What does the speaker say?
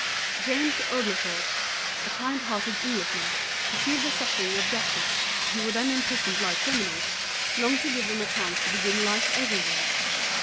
James O´gle thorpe, a kind hearted Englishman, perceiving the suffering of debtors, who were then imprisoned like criminals, longed to give them a chance to begin life over again.